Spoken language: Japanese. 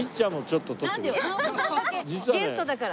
ゲストだから。